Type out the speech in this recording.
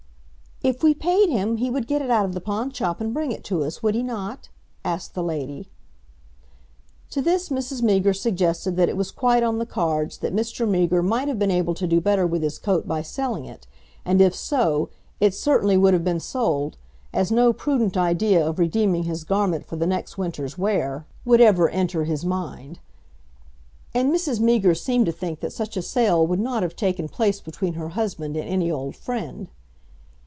"If we paid him he would get it out of the pawnshop, and bring it to us, would he not?" asked the lady. To this Mrs. Meager suggested that it was quite on the cards that Mr. Meager might have been able to do better with his coat by selling it, and if so, it certainly would have been sold, as no prudent idea of redeeming his garment for the next winter's wear would ever enter his mind. And Mrs. Meager seemed to think that such a sale would not have taken place between her husband and any old friend.